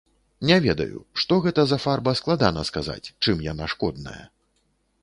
Не ведаю, што гэта за фарба складана сказаць, чым яна шкодная.